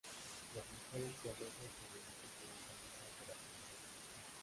Las mujeres piadosas se dirigen por un camino hacia la tumba de Jesús.